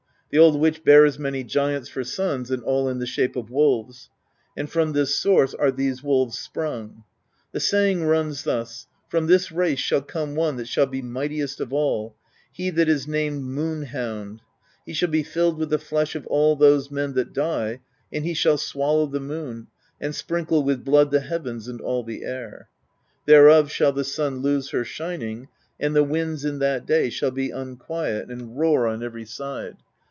The old witch bears many giants for sons, and all in the shape of wolves; and from this source are these wolves sprung. The saying runs thus: from this race shall come one that shall be mightiest of all, he that is named Moon Hound; he shall be filled with the flesh of all those men that die, and he shall swallow the moon, and sprinkle with blood the heavens and all the air; thereof shall the sun lose her shining, and the winds in that day shall be unquiet and roar on every side.